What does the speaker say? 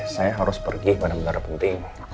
saya harus pergi benar benar penting